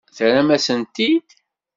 Terram-asen-tent-id?